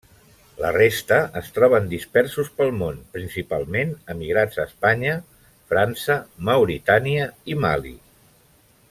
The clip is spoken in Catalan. La resta es troben dispersos pel món, principalment emigrats a Espanya, França, Mauritània i Mali.